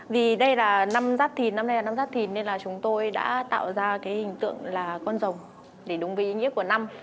và tạo ra cái hình tượng là con rồng để đúng với ý nghĩa của năm